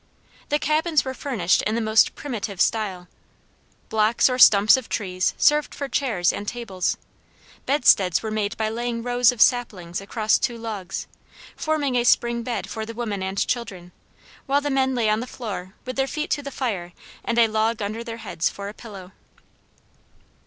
The cabins were furnished in the most primitive style. Blocks or stumps of trees served for chairs and tables. Bedsteads were made by laying rows of saplings across two logs, forming a spring bed for the women and children, while the men lay on the floor with their feet to the fire and a log under their heads for a pillow.